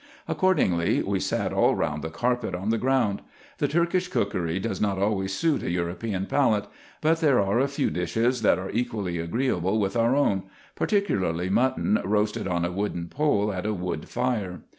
Accordingly, we sat all round the carpet, on the ground. The Turkish cookery does not always suit a European palate ; but there are a few dishes, that are equally agreeable with our own ; particularly mutton roasted on a wooden pole, at a wood fire.